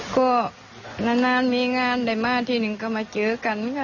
ก็นานมีงานได้มาที่หนึ่งก็มาเจอกันค่ะ